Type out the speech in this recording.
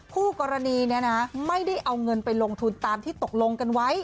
คู่กรณีไม่ได้เอาเงินไปลงทุนตามที่ตกลงกันไว้